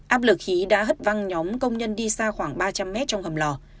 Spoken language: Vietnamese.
áp lực khí đã hất văng nhóm công nhân đi xa khoảng ba trăm linh mét trong hầm lò